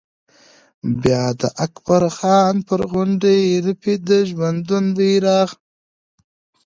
بیا د اکبر خان پر غونډۍ رپي د ژوندون بيرغ